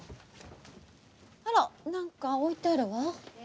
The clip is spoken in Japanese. あらっ何か置いてあるわ。